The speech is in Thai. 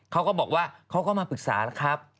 เขาก็บอกว่าเขาก็มาปรึกษาแล้วครับ